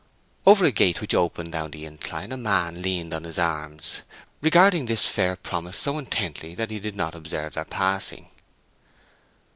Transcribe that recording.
Over a gate which opened down the incline a man leaned on his arms, regarding this fair promise so intently that he did not observe their passing.